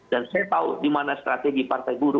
dan saya tahu di mana strategi partai buru